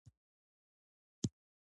د ځمکې نقشه جی پي اس ښيي